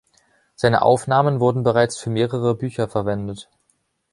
Seine Aufnahmen wurden bereits für mehrere Bücher verwendet.